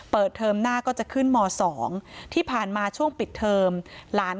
เทอมหน้าก็จะขึ้นม๒ที่ผ่านมาช่วงปิดเทอมหลาน